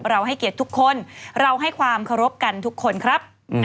ให้เกียรติทุกคนเราให้ความเคารพกันทุกคนครับ